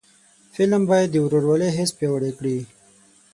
فلم باید د ورورولۍ حس پیاوړی کړي